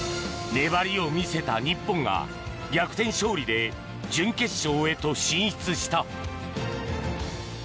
粘りを見せた日本が逆転勝利で準決勝へと進出した。